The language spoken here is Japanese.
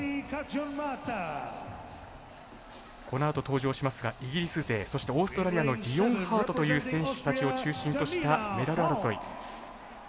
このあと登場しますがイギリス勢そしてオーストラリアのリオンハートという選手たちを中心としたメダル争い。